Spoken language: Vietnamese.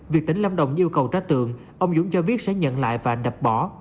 việc tỉnh lâm đồng yêu cầu trả tượng ông dũng cho biết sẽ nhận lại và đập bỏ